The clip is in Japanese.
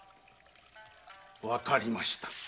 わかりました。